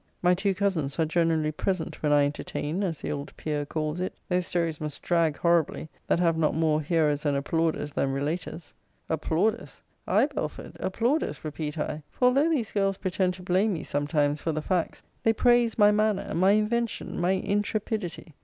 My two cousins are generally present when I entertain, as the old peer calls it. Those stories must drag horribly, that have not more hearers and applauders than relaters. Applauders! Ay, Belford, applauders, repeat I; for although these girls pretend to blame me sometimes for the facts, they praise my manner, my invention, my intrepidity.